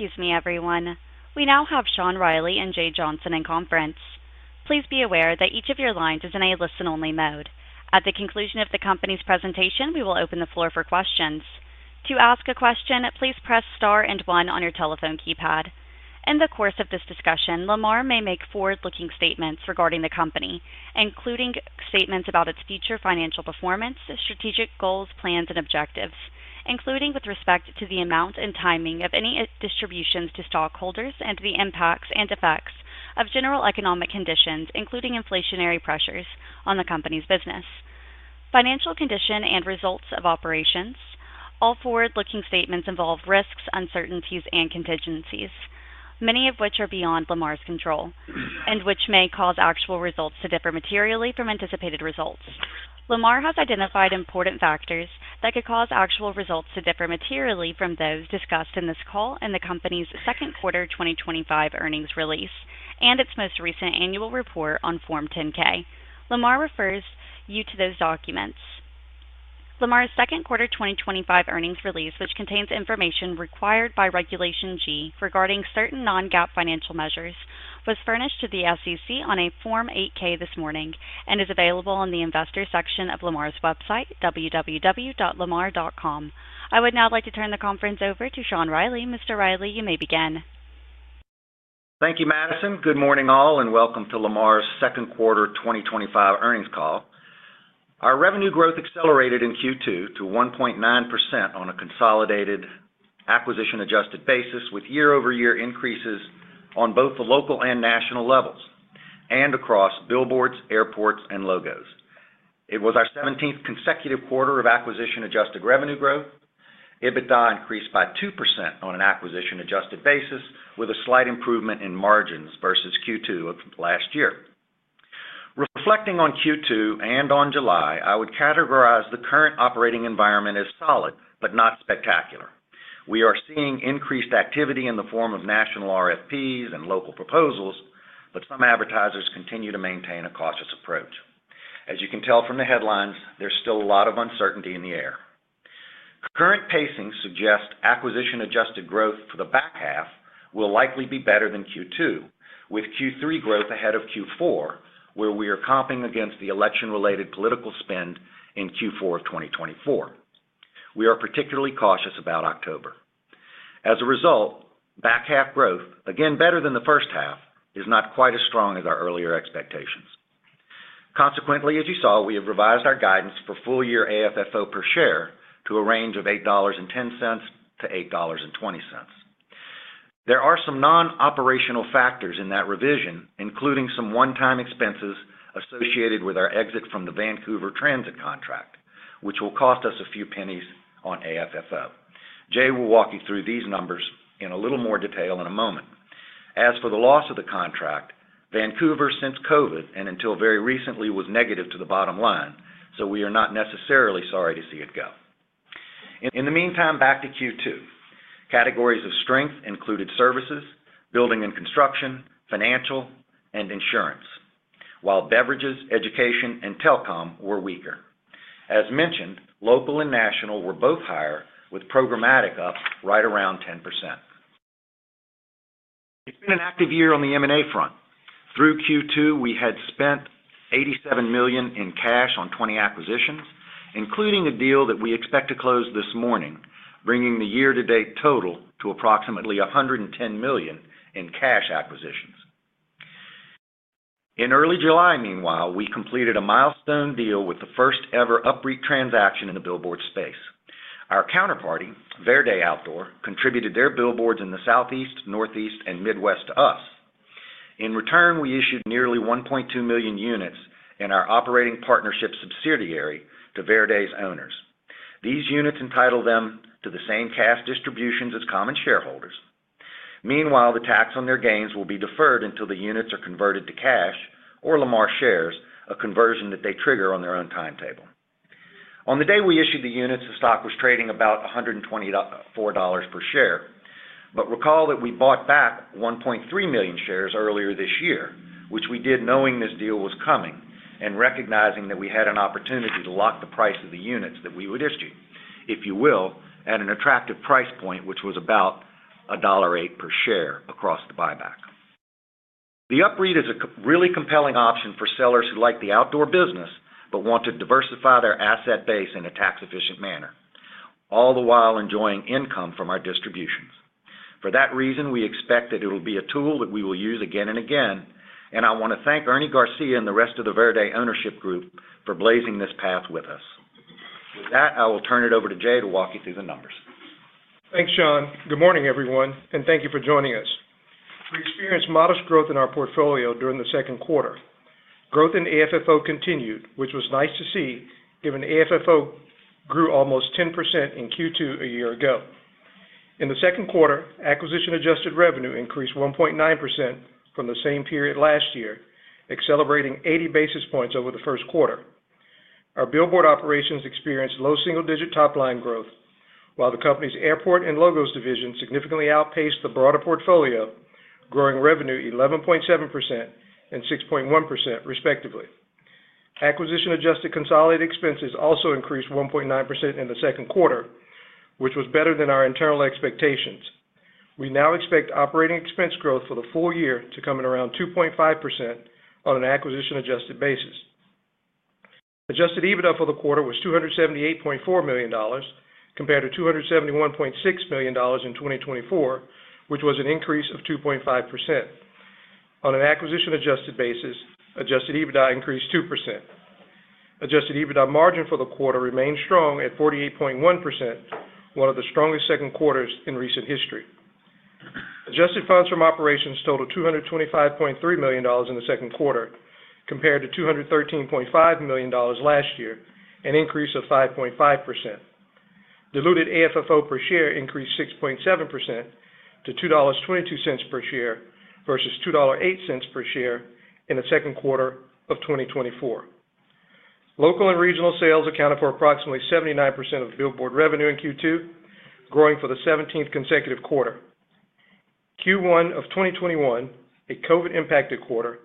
Excuse me, everyone. We now have Sean Reilly and Jay Johnson in conference. Please be aware that each of your lines is in a listen-only mode. At the conclusion of the company's presentation, we will open the floor for questions. To ask a question, please press star and one on your telephone keypad. In the course of this discussion, Lamar may make forward-looking statements regarding the company, including statements about its future financial performance, strategic goals, plans, and objectives, including with respect to the amount and timing of any distributions to stockholders and the impacts and effects of general economic conditions, including inflationary pressures on the company's business, financial condition, and results of operations. All forward-looking statements involve risks, uncertainties, and contingencies, many of which are beyond Lamar's control and which may cause actual results to differ materially from anticipated results. Lamar has identified important factors that could cause actual results to differ materially from those discussed in this call and the company's second quarter 2025 earnings release and its most recent annual report on Form 10-K. Lamar refers you to those documents. Lamar's second quarter 2025 earnings release, which contains information required by Regulation G regarding certain non-GAAP financial measures, was furnished to the SEC on a Form 8-K this morning and is available in the Investor section of Lamar's website, www.lamar.com. I would now like to turn the conference over to Sean Reilly. Mr. Reilly, you may begin. Thank you, Madison. Good morning all, and welcome to Lamar's Second Quarter 2025 Earnings Call. Our revenue growth accelerated in Q2 to 1.9% on a consolidated acquisition-adjusted basis, with year-over-year increases on both the local and national levels and across billboards, airport advertising, and logo signs. It was our 17th consecutive quarter of acquisition-adjusted revenue growth. EBITDA increased by 2% on an acquisition-adjusted basis, with a slight improvement in margins versus Q2 of last year. Reflecting on Q2 and on July, I would categorize the current operating environment as solid but not spectacular. We are seeing increased activity in the form of national RFPs and local proposals, yet some advertisers continue to maintain a cautious approach. As you can tell from the headlines, there's still a lot of uncertainty in the air. Current pacing suggests acquisition-adjusted growth for the back half will likely be better than Q2, with Q3 growth ahead of Q4, where we are comping against the election-related political spend in Q4 2024. We are particularly cautious about October. As a result, back half growth, again better than the first half, is not quite as strong as our earlier expectations. Consequently, as you saw, we have revised our guidance for full-year AFFO per share to a range of $8.10-$8.20. There are some non-operational factors in that revision, including some one-time expenses associated with our exit from the Vancouver Transit contract, which will cost us a few pennies on AFFO. Jay will walk you through these numbers in a little more detail in a moment. As for the loss of the contract, Vancouver, since COVID and until very recently, was negative to the bottom line, so we are not necessarily sorry to see it go. In the meantime, back to Q2. Categories of strength included services, building and construction, financial, and insurance, while beverages, education, and telecom were weaker. As mentioned, local and national were both higher, with programmatic sales up right around 10%. It's been an active year on the M&A front. Through Q2, we had spent $87 million in cash on 20 acquisitions, including a deal that we expect to close this morning, bringing the year-to-date total to approximately $110 million in cash acquisitions. In early July, meanwhile, we completed a milestone deal with the first-ever up-break transaction in the billboard space. Our counterparty, Verde Outdoor, contributed their billboards in the Southeast, Northeast, and Midwest to us. In return, we issued nearly 1.2 million units in our operating partnership subsidiary to Verde's owners. These units entitle them to the same cash distributions as common shareholders. Meanwhile, the tax on their gains will be deferred until the units are converted to cash or Lamar shares, a conversion that they trigger on their own timetable. On the day we issued the units, the stock was trading about $124 per share, but recall that we bought back 1.3 million shares earlier this year, which we did knowing this deal was coming and recognizing that we had an opportunity to lock the price of the units that we would issue, if you will, at an attractive price point, which was about $108 per share across the buyback. The up-break is a really compelling option for sellers who like the outdoor business but want to diversify their asset base in a tax-efficient manner, all the while enjoying income from our distributions. For that reason, we expect that it will be a tool that we will use again and again, and I want to thank Ernie Garcia and the rest of the Verde Ownership Group for blazing this path with us. With that, I will turn it over to Jay to walk you through the numbers. Thanks, Sean. Good morning, everyone, and thank you for joining us. We experienced modest growth in our portfolio during the second quarter. Growth in AFFO continued, which was nice to see, given AFFO grew almost 10% in Q2 a year ago. In the second quarter, acquisition-adjusted revenue increased 1.9% from the same period last year, accelerating 80 basis points over the first quarter. Our billboard operations experienced low single-digit top-line growth, while the company's airport and logo sign division significantly outpaced the broader portfolio, growing revenue 11.7% and 6.1% respectively. Acquisition-adjusted consolidated expenses also increased 1.9% in the second quarter, which was better than our internal expectations. We now expect operating expense growth for the full year to come in around 2.5% on an acquisition-adjusted basis. Adjusted EBITDA for the quarter was $278.4 million compared to $271.6 million in 2024, which was an increase of 2.5%. On an acquisition-adjusted basis, adjusted EBITDA increased 2%. Adjusted EBITDA margin for the quarter remains strong at 48.1%, one of the strongest second quarters in recent history. Adjusted funds from operations totaled $225.3 million in the second quarter compared to $213.5 million last year, an increase of 5.5%. Diluted AFFO per share increased 6.7% to $2.22 per share versus $2.08 per share in the second quarter of 2024. Local and regional sales accounted for approximately 79% of the billboard revenue in Q2, growing for the 17th consecutive quarter. Q1 of 2021, a COVID-impacted quarter,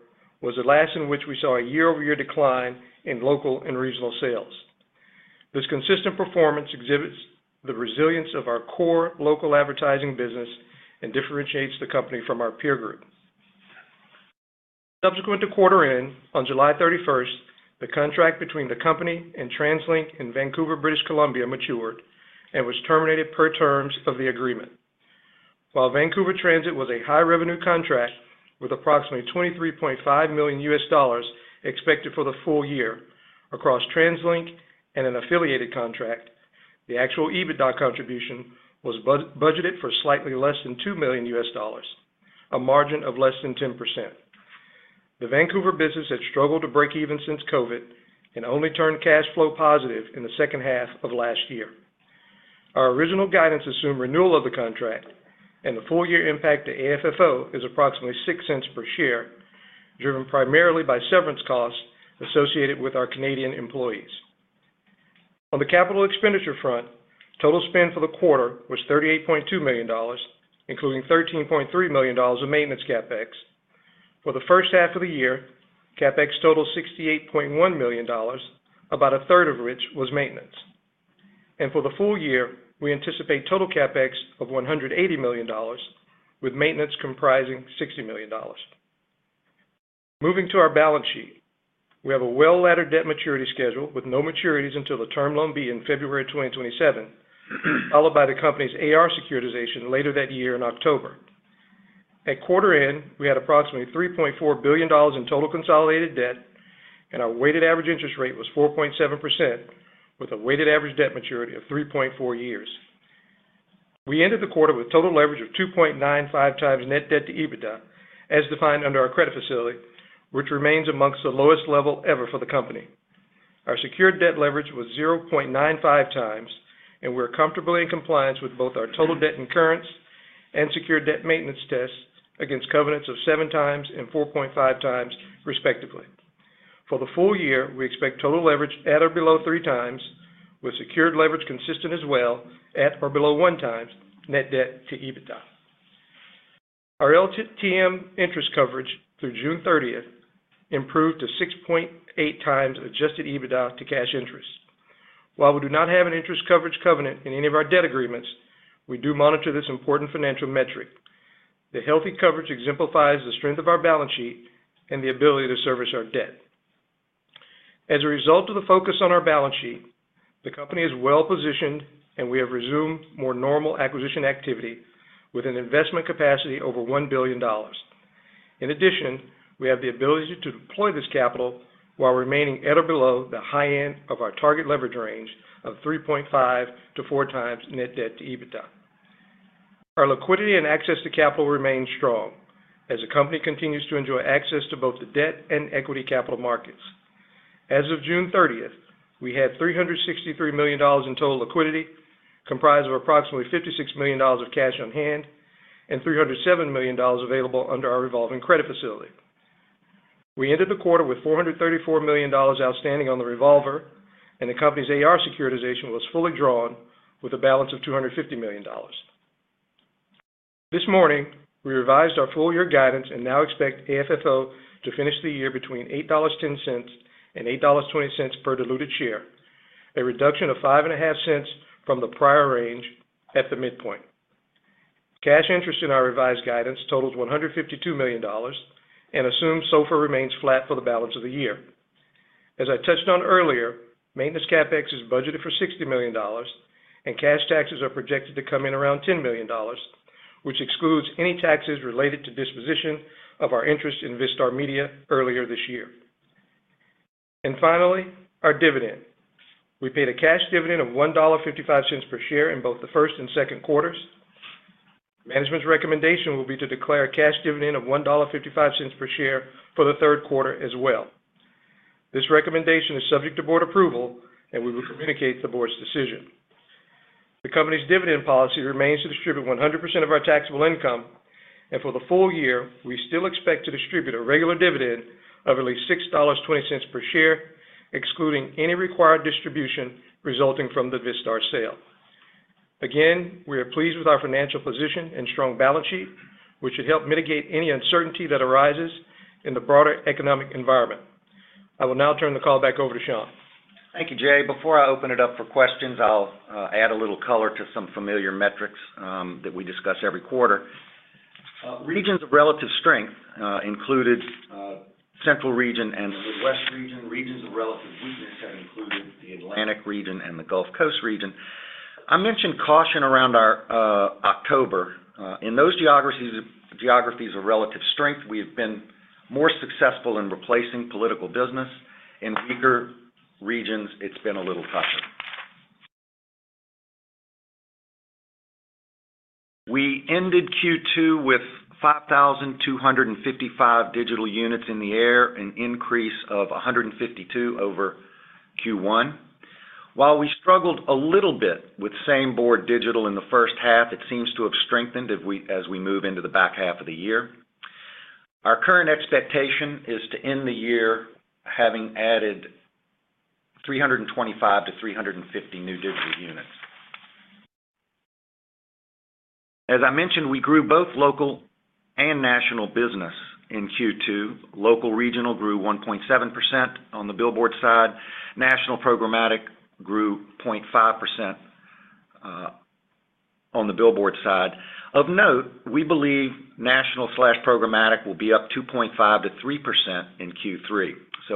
was the last in which we saw a year-over-year decline in local and regional sales. This consistent performance exhibits the resilience of our core local advertising business and differentiates the company from our peer group. Subsequent to quarter-end on July 31, the contract between the company and TransLink in Vancouver, British Columbia, matured and was terminated per terms of the agreement. While Vancouver Transit was a high-revenue contract with approximately $23.5 million expected for the full year across TransLink and an affiliated contract, the actual EBITDA contribution was budgeted for slightly less than $2 million, a margin of less than 10%. The Vancouver business had struggled to break even since COVID and only turned cash flow positive in the second half of last year. Our original guidance assumed renewal of the contract, and the full-year impact to AFFO is approximately $0.06 per share, driven primarily by severance costs associated with our Canadian employees. On the capital expenditure front, total spend for the quarter was $38.2 million, including $13.3 million in maintenance CapEx. For the first half of the year, CapEx totaled $68.1 million, about 1/3 of which was maintenance. For the full year, we anticipate total CapEx of $180 million, with maintenance comprising $60 million. Moving to our balance sheet, we have a well-laddered debt maturity schedule with no maturities until the term loan beginning in February 2027, followed by the company's AR securitization later that year in October. At quarter-end, we had approximately $3.4 billion in total consolidated debt, and our weighted average interest rate was 4.7%, with a weighted average debt maturity of 3.4 years. We ended the quarter with a total leverage of 2.95x net debt to EBITDA, as defined under our credit facility, which remains among the lowest levels ever for the company. Our secured debt leverage was 0.95x, and we are comfortably in compliance with both our total debt incurrence and secured debt maintenance tests against covenants of 7x and 4.5x, respectively. For the full year, we expect total leverage at or below 3x, with secured leverage consistent as well at or below 1x net debt to EBITDA. Our LTM interest coverage through June 30th improved to 6.8x adjusted EBITDA to cash interest. While we do not have an interest coverage covenant in any of our debt agreements, we do monitor this important financial metric. The healthy coverage exemplifies the strength of our balance sheet and the ability to service our debt. As a result of the focus on our balance sheet, the company is well positioned, and we have resumed more normal acquisition activity with an investment capacity over $1 billion. In addition, we have the ability to deploy this capital while remaining at or below the high end of our target leverage range of 3.5x-4x net debt to EBITDA. Our liquidity and access to capital remain strong as the company continues to enjoy access to both the debt and equity capital markets. As of June 30th, we had $363 million in total liquidity, comprised of approximately $56 million of cash on hand and $307 million available under our revolving credit facility. We ended the quarter with $434 million outstanding on the revolver, and the company's AR securitization was fully drawn with a balance of $250 million. This morning, we revised our full-year guidance and now expect AFFO to finish the year between $8.10 and $8.20 per diluted share, a reduction of $0.055 from the prior range at the midpoint. Cash interest in our revised guidance totals $152 million and assumes SOFR remains flat for the balance of the year. As I touched on earlier, maintenance CapEx is budgeted for $60 million, and cash taxes are projected to come in around $10 million, which excludes any taxes related to disposition of our interest in Vistar Media earlier this year. Finally, our dividend. We paid a cash dividend of $1.55 per share in both the first and second quarters. Management's recommendation will be to declare a cash dividend of $1.55 per share for the third quarter as well. This recommendation is subject to board approval, and we will communicate the board's decision. The company's dividend policy remains to distribute 100% of our taxable income, and for the full year, we still expect to distribute a regular dividend of at least $6.20 per share, excluding any required distribution resulting from the Vistar sale. We are pleased with our financial position and strong balance sheet, which should help mitigate any uncertainty that arises in the broader economic environment. I will now turn the call back over to Sean. Thank you, Jay. Before I open it up for questions, I'll add a little color to some familiar metrics that we discuss every quarter. Regions of relative strength included the Central Region and the Southwest Region. Regions of relative strength included the Atlantic Region and the Gulf Coast Region. I mentioned caution around our October. In those geographies of relative strength, we have been more successful in replacing political business. In weaker regions, it's been a little tougher. We ended Q2 with 5,255 digital units in the air, an increase of 152 over Q1. While we struggled a little bit with same board digital in the first half, it seems to have strengthened as we move into the back half of the year. Our current expectation is to end the year having added 325-350 new digital units. As I mentioned, we grew both local and national business in Q2. Local regional grew 1.7% on the billboard side. National programmatic grew 0.5% on the billboard side. Of note, we believe national/programmatic will be up 2.5%-3% in Q3.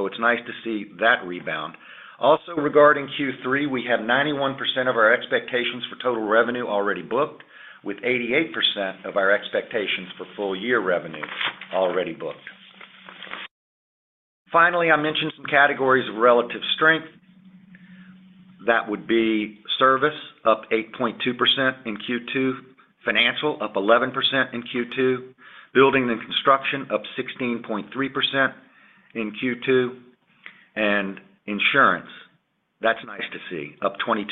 It's nice to see that rebound. Also, regarding Q3, we have 91% of our expectations for total revenue already booked, with 88% of our expectations for full-year revenue already booked. Finally, I mentioned some categories of relative strength. That would be service up 8.2% in Q2, financial up 11% in Q2, building and construction up 16.3% in Q2, and insurance, that's nice to see, up 22%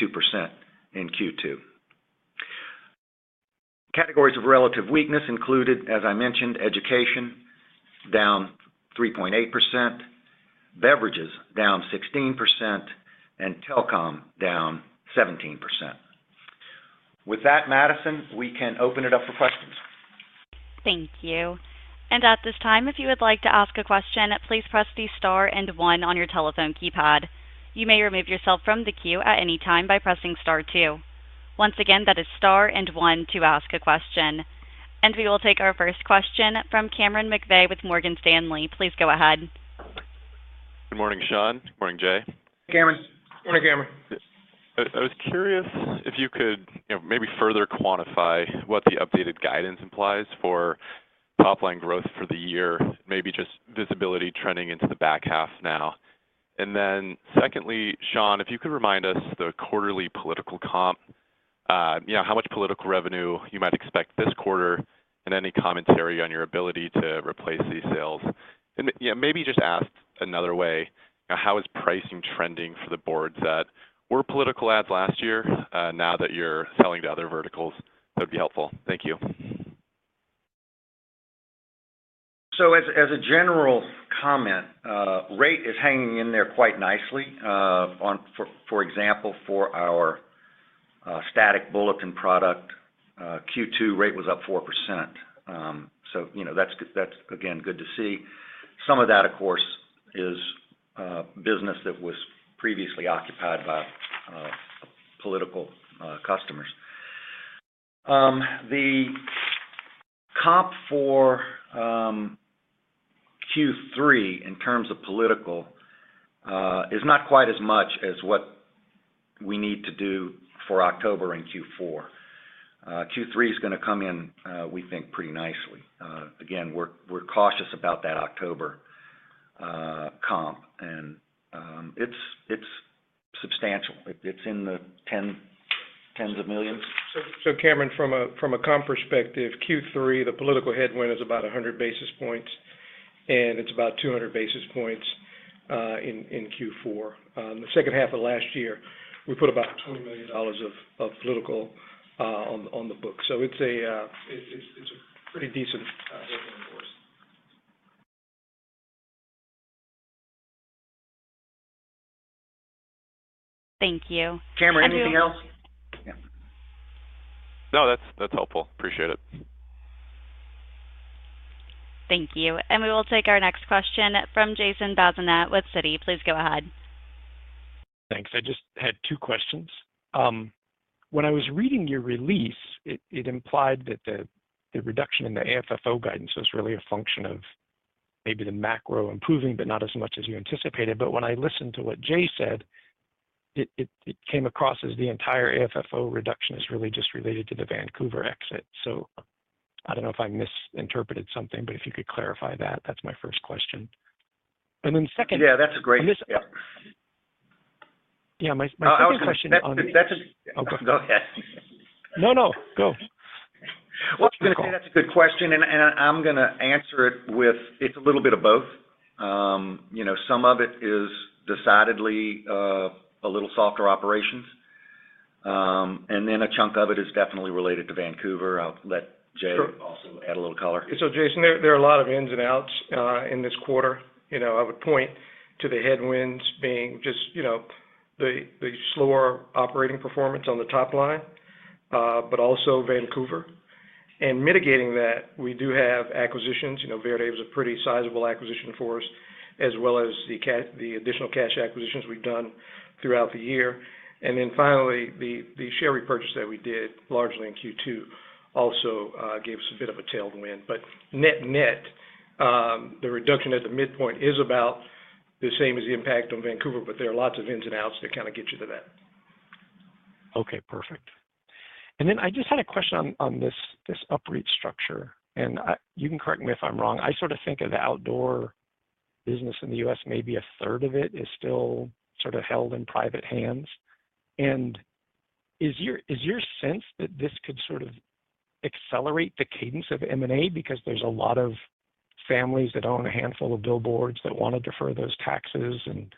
in Q2. Categories of relative weakness included, as I mentioned, education down 3.8%, beverages down 16%, and telecom down 17%. With that, Madison, we can open it up for questions. Thank you. At this time, if you would like to ask a question, please press the star and one on your telephone keypad. You may remove yourself from the queue at any time by pressing star two. Once again, that is star and one to ask a question. We will take our first question from Cameron McVeigh with Morgan Stanley. Please go ahead. Good morning, Sean. Good morning, Jay. Morning, Cameron. I was curious if you could maybe further quantify what the updated guidance implies for top-line growth for the year, maybe just visibility trending into the back half now. Secondly, Sean, if you could remind us the quarterly political comp, you know how much political revenue you might expect this quarter and any commentary on your ability to replace these sales. Maybe just ask another way, how is pricing trending for the boards that were political ads last year? Now that you're selling to other verticals, that would be helpful. Thank you. As a general comment, rate is hanging in there quite nicely. For example, for our static bulletin product, Q2 rate was up 4%. That's, again, good to see. Some of that, of course, is business that was previously occupied by political customers. The comp for Q3 in terms of political is not quite as much as what we need to do for October in Q4. Q3 is going to come in, we think, pretty nicely. Again, we're cautious about that October comp, and it's substantial. It's in the tens of million. Cameron, from a comp perspective, Q3, the political headwind is about 100 basis points, and it's about 200 basis points in Q4. In the second half of last year, we put about $20 million of political on the book. It's a pretty decent. Thank you. Cameron, anything else? No, that's helpful. Appreciate it. Thank you. We will take our next question from Jason Bazinet with Citi. Please go ahead. Thanks. I just had two questions. When I was reading your release, it implied that the reduction in the AFFO guidance was really a function of maybe the macro improving, but not as much as you anticipated. When I listened to what Jay said, it came across as the entire AFFO reduction is really just related to the Vancouver exit. I don't know if I misinterpreted something, but if you could clarify that, that's my first question. Then second. Yeah, that's a great question. Yeah, my first question on. That's a go-ahead. No, go. That's a good question, and I'm going to answer it with it's a little bit of both. Some of it is decidedly a little softer operations, and then a chunk of it is definitely related to Vancouver. I'll let Jay add a little color. Jason, there are a lot of ins and outs in this quarter. I would point to the headwinds being just the slower operating performance on the top line, but also Vancouver. Mitigating that, we do have acquisitions. Verde was a pretty sizable acquisition for us, as well as the additional cash acquisitions we've done throughout the year. Finally, the share repurchase that we did largely in Q2 also gave us a bit of a tailwind. Net-net, the reduction at the midpoint is about the same as the impact on Vancouver, but there are lots of ins and outs that kind of get you to that. Okay, perfect. I just had a question on this up-break transaction, and you can correct me if I'm wrong. I sort of think of the outdoor business in the U.S., maybe a third of it is still held in private hands. Is your sense that this could accelerate the cadence of M&A because there's a lot of families that own a handful of billboards that want to defer those taxes, and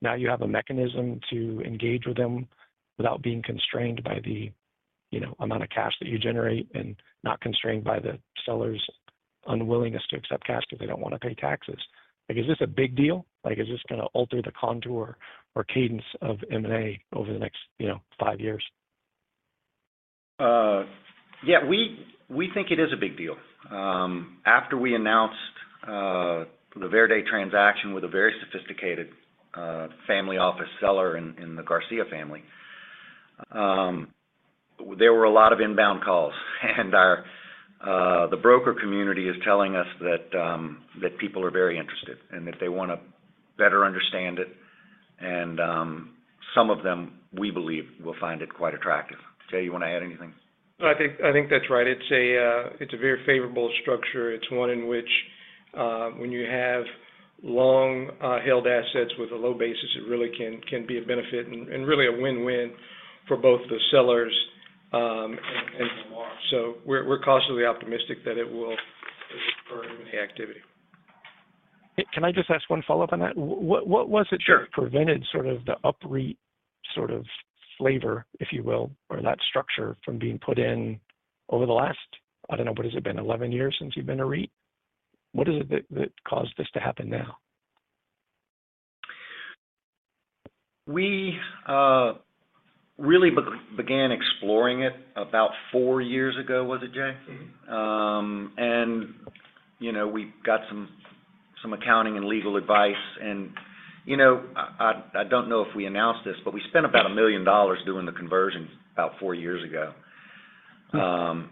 now you have a mechanism to engage with them without being constrained by the amount of cash that you generate and not constrained by the seller's unwillingness to accept cash because they don't want to pay taxes? Is this a big deal? Is this going to alter the contour or cadence of M&A over the next five years? Yeah, we think it is a big deal. After we announced the Verde transaction with a very sophisticated family office seller in the Garcia family, there were a lot of inbound calls, and the broker community is telling us that people are very interested and that they want to better understand it. Some of them, we believe, will find it quite attractive. Jay, you want to add anything? I think that's right. It's a very favorable structure. It's one in which when you have long-held assets with a low basis, it really can be a benefit and really a win-win for both the sellers and Lamar. We're cautiously optimistic that it will further the activity. Can I just ask one follow-up on that? What was it that prevented the up-break sort of flavor, if you will, or that structure from being put in over the last, I don't know, what has it been, 11 years since you've been a REIT? What is it that caused this to happen now? We really began exploring it about four years ago, was it, Jay? We got some accounting and legal advice. I don't know if we announced this, but we spent about $1 million doing the conversion about four years ago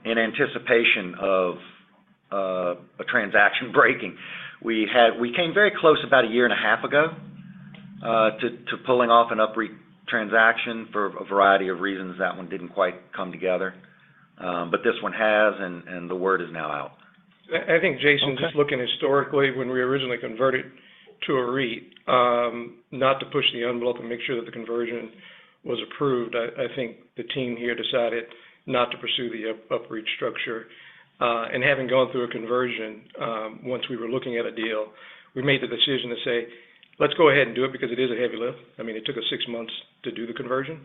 in anticipation of a transaction breaking. We came very close about a year and a half ago to pulling off an up-break transaction for a variety of reasons. That one didn't quite come together, but this one has, and the word is now out. I think, Jason, just looking historically, when we originally converted to a REIT, not to push the envelope and make sure that the conversion was approved, I think the team here decided not to pursue the up-break transaction. Having gone through a conversion, once we were looking at a deal, we made the decision to say, let's go ahead and do it because it is a heavy lift. It took us six months to do the conversion.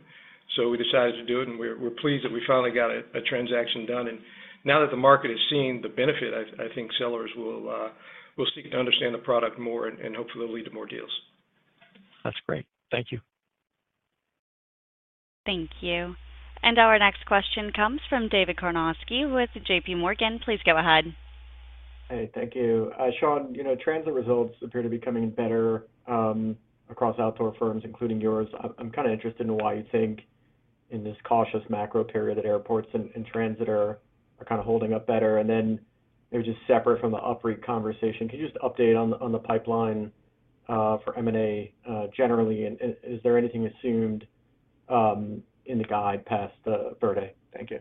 We decided to do it, and we're pleased that we finally got a transaction done. Now that the market is seeing the benefit, I think sellers will seek to understand the product more, and hopefully, it'll lead to more deals. That's great. Thank you. Thank you. Our next question comes from David Karnovsky with J.P. Morgan. Please go ahead. Hey, thank you. Sean, you know, transit results appear to be coming in better across outdoor firms, including yours. I'm kind of interested in why you think in this cautious macro period that airports and transit are kind of holding up better. Maybe just separate from the up-break conversation, can you just update on the pipeline for M&A generally? Is there anything assumed in the guide past Verde? Thank you.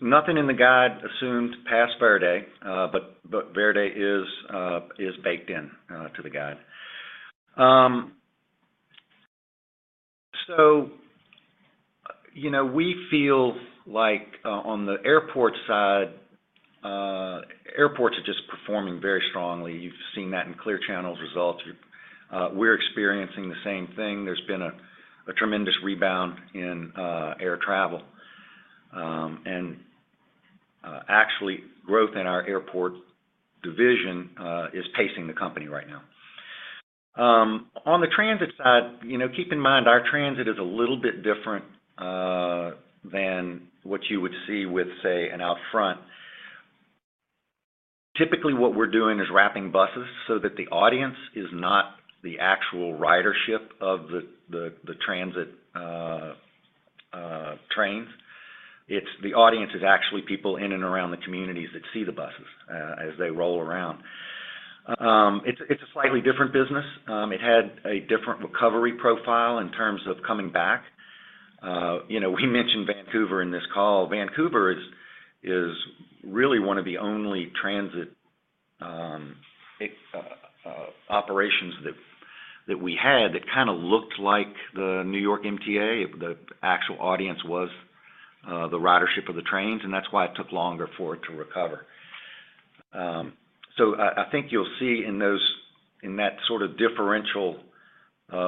Nothing in the guide assumed past Verde, but Verde is baked into the guide. We feel like on the airport side, airports are just performing very strongly. You've seen that in Clear Channel's results. We're experiencing the same thing. There's been a tremendous rebound in air travel, and actually, growth in our airport division is pacing the company right now. On the transit side, keep in mind our transit is a little bit different than what you would see with, say, an Outfront. Typically, what we're doing is wrapping buses so that the audience is not the actual ridership of the transit trains. The audience is actually people in and around the communities that see the buses as they roll around. It's a slightly different business. It had a different recovery profile in terms of coming back. We mentioned Vancouver in this call. Vancouver is really one of the only transit operations that we had that kind of looked like the New York MTA. The actual audience was the ridership of the trains, and that's why it took longer for it to recover. I think you'll see in that sort of differential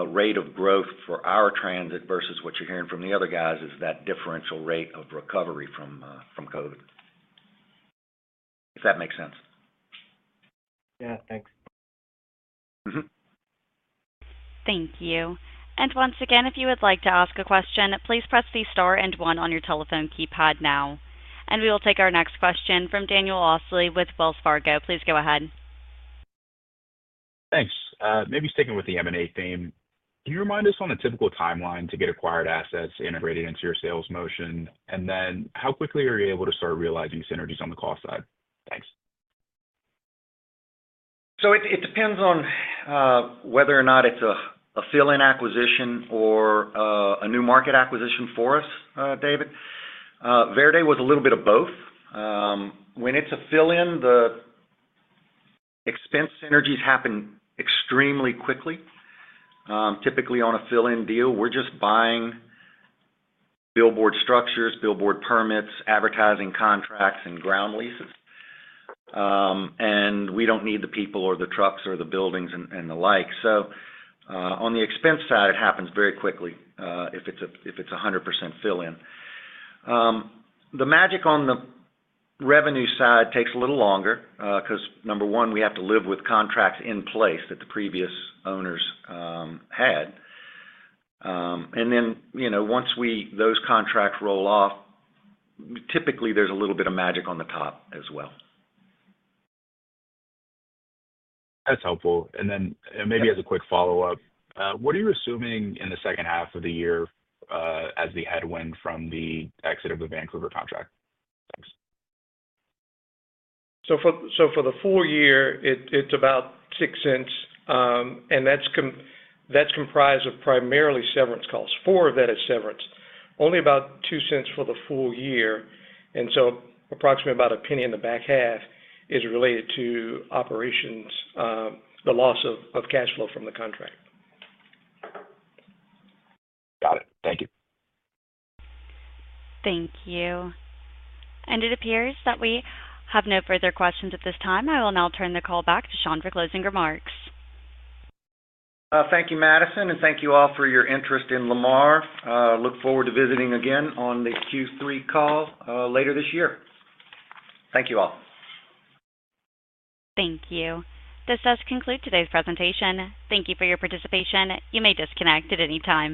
rate of growth for our transit versus what you're hearing from the other guys is that differential rate of recovery from COVID, if that makes sense. Yeah, thanks. Thank you. Once again, if you would like to ask a question, please press the star and one on your telephone keypad now. We will take our next question from Daniel Osley with Wells Fargo. Please go ahead. Thanks. Maybe sticking with the M&A theme, can you remind us on a typical timeline to get acquired assets integrated into your sales motion? How quickly are you able to start realizing synergies on the cost side? Thanks. It depends on whether or not it's a fill-in acquisition or a new market acquisition for us, David. Verde was a little bit of both. When it's a fill-in, the expense synergies happen extremely quickly. Typically, on a fill-in deal, we're just buying billboard structures, billboard permits, advertising contracts, and ground leases. We don't need the people or the trucks or the buildings and the like. On the expense side, it happens very quickly if it's a 100% fill-in. The magic on the revenue side takes a little longer because, number one, we have to live with contracts in place that the previous owners had. Once those contracts roll off, typically, there's a little bit of magic on the top as well. That's helpful. Maybe as a quick follow-up, what are you assuming in the second half of the year as the headwind from the exit of the Vancouver contract? For the full year, it's about $0.06, and that's comprised of primarily severance costs. Four of that is severance. Only about $0.02 for the full year, and approximately about a penny in the back half is related to operations, the loss of cash flow from the contract. Got it. Thank you. Thank you. It appears that we have no further questions at this time. I will now turn the call back to Sean for closing remarks. Thank you, Madison, and thank you all for your interest in Lamar. I look forward to visiting again on the Q3 call later this year. Thank you all. Thank you. This does conclude today's presentation. Thank you for your participation. You may disconnect at any time.